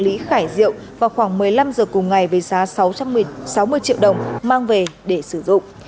lý khải diệu vào khoảng một mươi năm h cùng ngày với giá sáu trăm sáu mươi triệu đồng mang về để sử dụng